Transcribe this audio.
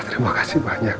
terima kasih banyak